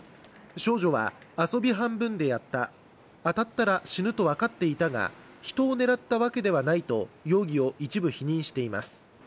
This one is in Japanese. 少女は遊び半分でやった、当たったら死ぬと分かっていたが、人を狙ったわけではないと容疑を一部否認しています。